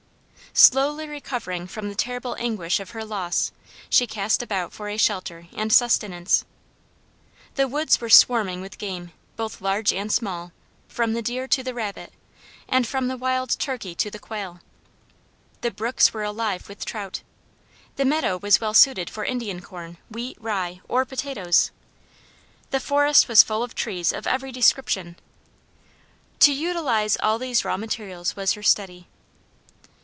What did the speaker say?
Slowly recovering from the terrible anguish of her loss, she cast about for shelter and sustenance. The woods were swarming with game, both large and small, from the deer to the rabbit, and from the wild turkey to the quail. The brooks were alive with trout. The meadow was well suited for Indian corn, wheat, rye, or potatoes. The forest was full of trees of every description. To utilize all these raw materials was her study.